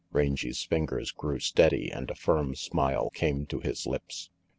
Rangy's fingers grew steady, and a firm smile came to his lips.